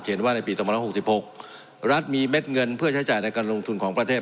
ว่าในปี๒๐๖๖รัฐมีเม็ดเงินเพื่อใช้จ่ายในการลงทุนของประเทศ